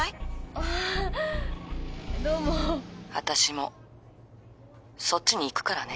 あぁどうも。私もそっちに行くからね。